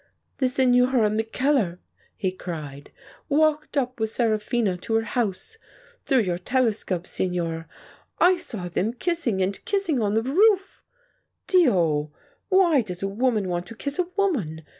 "The Signora Mackellar," he cried, "walked up with Seraphina to her house. Through your tele scope, signor, I saw them kissing and kissing on the roof. Dio! Why does a woman want to kiss a woman